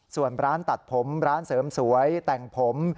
ส่วนร้านตัดผมร้านเสริมสวยแต่งผม